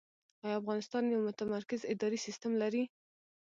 آیا افغانستان یو متمرکز اداري سیستم لري؟